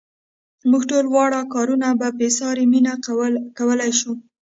موږ ټول واړه کارونه په بې ساري مینه کولای شو.